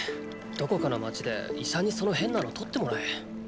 どこかの街で医者にその変なのを取ってもらえ。え？